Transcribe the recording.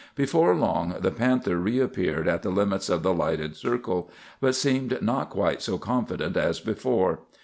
"Before long the panther reappeared at the limits of the lighted circle, but seemed not quite so confident as before.